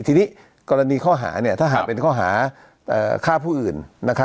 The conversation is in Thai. ทีนี้กรณีข้อหาถ้าหากเป็นข้อหาฆ่าผู้อื่น